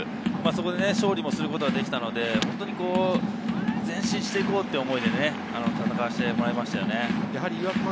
勝利することができたので、前進して行こうという思いで戦わせてもらいましたね。